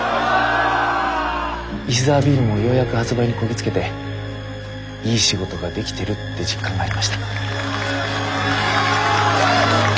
石沢ビールもようやく発売にこぎ着けていい仕事ができてるって実感がありました。